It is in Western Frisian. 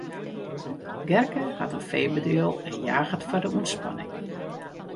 Gerke hat in feebedriuw en jaget foar de ûntspanning.